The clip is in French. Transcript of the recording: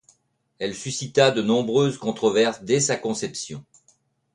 Elle suscita de nombreuses controverses dès sa conception.